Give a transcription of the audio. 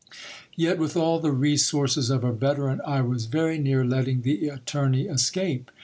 Yet, with all the resources of a veteran, I was very near letting the attorney escape.